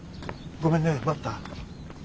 ごめんね待った？